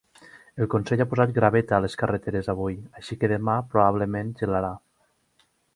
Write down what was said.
El consell ha posat graveta a les carreteres avui, així que demà, probablement, gelarà.